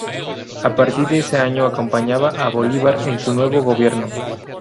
A partir de ese año acompaña a Bolívar en su nuevo Gobierno.